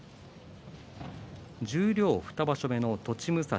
十両２場所目の栃武蔵。